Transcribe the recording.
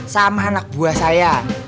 sama anak buah saya